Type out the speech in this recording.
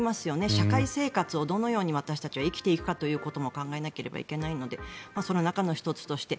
社会生活をどのように私たちは生きていくかということも考えなければいけないのでその中の１つとして。